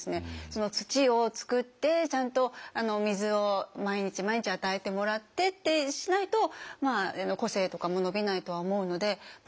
その土を作ってちゃんと水を毎日毎日与えてもらってってしないと個性とかも伸びないとは思うので。